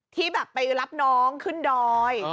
ที่แบบไปรับน้องขึ้นดอย